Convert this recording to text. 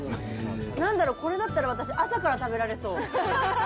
なんだろう、これだったら私、朝から食べられそう。